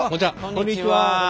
こんにちは。